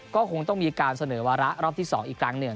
ก็คงต้องมีการเสนอวาระรอบที่๒อีกครั้งหนึ่ง